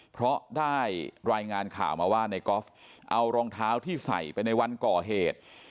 เพราะได้รายงานข่าวมาว่าในกอล์ฟเอารองเท้าที่ใส่ไปในวันก่อเหตุ